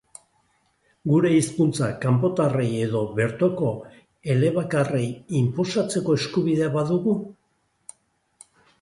Gure hizkuntza, kanpotarrei edo bertoko elebakarrei, inposatzeko eskubidea badugu?